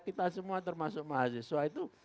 kita semua termasuk mahasiswa itu